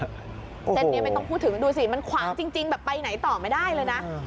เส้นนี้ไม่ต้องพูดถึงดูสิมันขวางจริงแบบไปไหนต่อไม่ได้เลยนะ